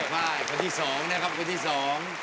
คุณฟ้ายคนที่สองนะครับคนที่สอง